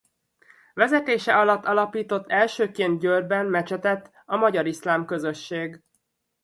Vezetése alatt alapított elsőként Győrben mecsetet a Magyar Iszlám Közösség.